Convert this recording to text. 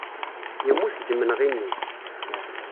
Yemmut deg yimenɣi-nni.